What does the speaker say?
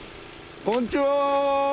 こんにちは。